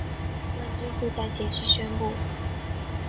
冠军会在结局宣布。